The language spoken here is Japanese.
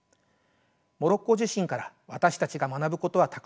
モロッコ地震から私たちが学ぶことはたくさんあります。